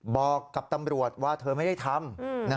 บอกกับตำรวจว่าเธอไม่ได้ทำ